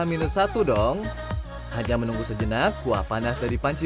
uang yang lebih besar menit isinya harus dikualifikasi dan menghancurkan tuas pembuasan beberapa musim